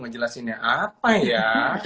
ngejelasinnya apa ya